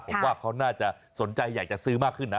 ผมว่าเขาน่าจะสนใจอยากจะซื้อมากขึ้นนะ